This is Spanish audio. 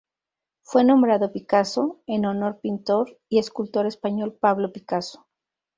Fue nombrado Picasso en honor pintor y escultor español Pablo Picasso.